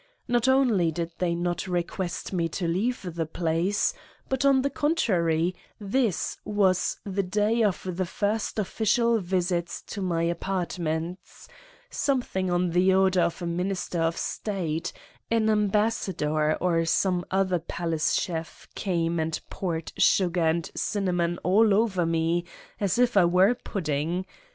Not only did they not request me to leave the place, but on the contrary, this was the day of the first official visits to my apartments something on the order of a minister of state, an ambassador or some other palace chef came and poured sugar and cinnamon all over me as if I were a pudding.